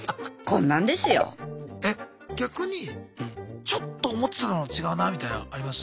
え逆にちょっと思ってたのと違うなみたいのあります？